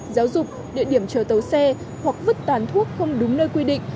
giáo dục địa điểm chờ tàu xe hoặc vứt tàn thuốc không đúng nơi quy định